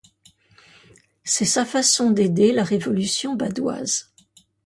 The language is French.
C'est sa façon d'aider la révolution badoise.